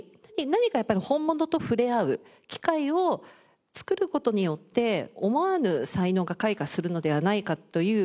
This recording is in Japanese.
何か本物と触れ合う機会を作る事によって思わぬ才能が開花するのではないかという